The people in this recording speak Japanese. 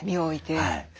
はい。